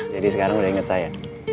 jadi sekarang udah inget saya